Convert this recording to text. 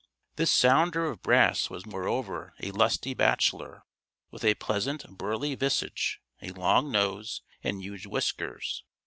This sounder of brass was moreover a lusty bachelor, with a pleasant, burly visage, a long nose, and huge whiskers.